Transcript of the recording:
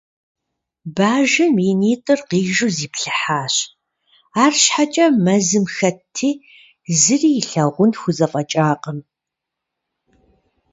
Бажэм и нитӀыр къижу зиплъыхьащ. АрщхьэкӀэ мэзым хэтти, зыри илъагъун хузэфӀэкӀакъым.